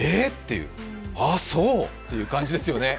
あ、そう！という感じですよね。